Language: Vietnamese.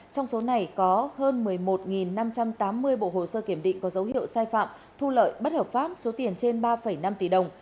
trong số này có hơn một mươi một năm trăm tám mươi bộ hồ sơ kiểm định có dấu hiệu sai phạm thu lợi bất hợp pháp số tiền trên ba năm tỷ đồng